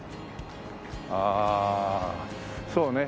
ああそうね。